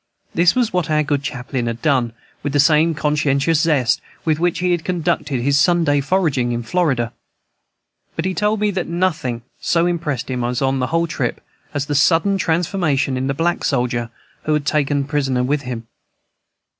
This was what our good chaplain had done, with the same conscientious zest with which he had conducted his Sunday foraging in Florida. But he told me that nothing so impressed him on the whole trip as the sudden transformation in the black soldier who was taken prisoner with him.